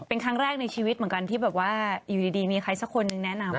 เป็นครั้งแรกในชีวิตที่แบบว่าอยู่ดีมีใครสักคนเลยแนะนำ